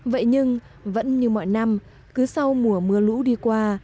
vậy nhưng vẫn như mọi năm cứ sau mùa mưa lũ đi qua